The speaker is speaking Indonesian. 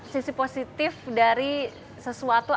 sisi positif dari sesuatu